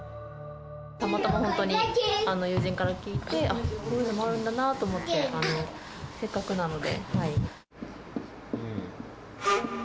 たまたま本当に友人から聞いて、あっ、こういうのもあるんだなと思って、せっかくなので。